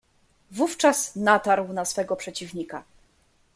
"Wówczas natarł na swego przeciwnika."